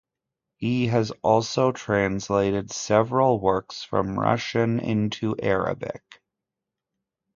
He has also translated several works from Russian into Arabic.